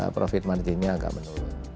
profit marginnya agak menurun